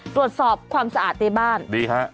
ตรวจสอบความสะอาดในบ้านดีฮะ